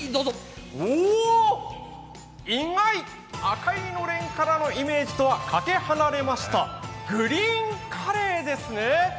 おー、意外、赤いのれんからのイメージからかけ離れましたグリーンカレーですね。